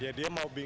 ya dia masih